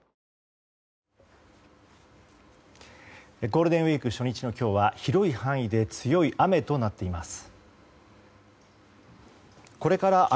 ゴールデンウィーク初日の今日は広い範囲で強い雨となっています。